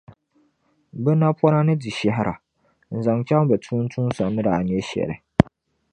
Bɛ napɔna ni di shɛhira, n-zaŋ chaŋ bɛ tuuntumsa ni daa nyɛ shɛli.